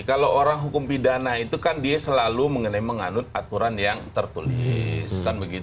kalau orang hukum pidana itu kan dia selalu mengenai menganut aturan yang tertulis